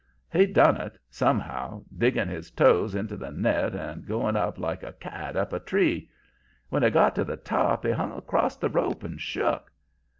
"He done it, somehow, digging his toes into the net and going up like a cat up a tree. When he got to the top he hung acrost the rope and shook.